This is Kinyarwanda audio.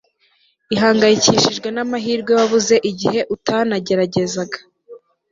ihangayikishijwe n'amahirwe wabuze igihe utanagerageza